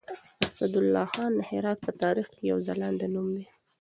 اسدالله خان د هرات په تاريخ کې يو ځلاند نوم دی.